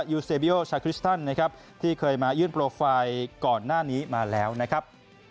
ยูเซบีโอชาคริสตันนะครับที่เคยมายื่นโปรไฟล์ก่อนหน้านี้มาแล้วนะครับ